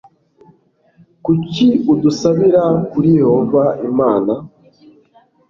kuki udusabira kuri yehova imana